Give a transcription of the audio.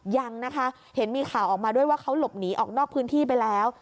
ยังนะคะเห็นมีข่าวออกมาด้วยว่าเขาหลบหนีออกนอกพื้นที่ไปแล้ว